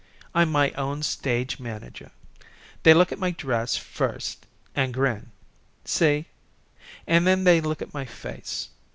I'm my own stage manager. They look at my dress first, an' grin. See? An' then they look at my face.